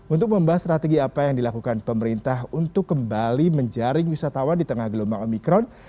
untuk membahas strategi apa yang dilakukan pemerintah untuk kembali menjaring wisatawan di tengah gelombang omikron